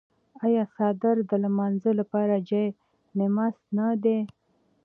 آیا څادر د لمانځه لپاره جای نماز نه دی؟